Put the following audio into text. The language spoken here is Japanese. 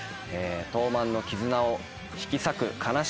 東卍の絆を引き裂く悲しい事件。